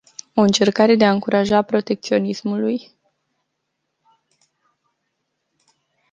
O încercare de a încuraja protecționismului?